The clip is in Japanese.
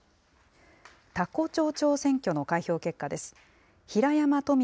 多古町長選挙の開票結果です。